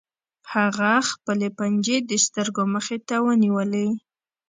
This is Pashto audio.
هغه خپلې پنجې د سترګو مخې ته ونیولې